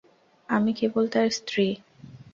আমি কেবল তার স্ত্রী।